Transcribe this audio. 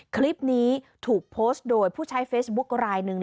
คลิปนี้ถูกโพสต์โดยผู้ใช้เฟซบุ๊คลายหนึ่ง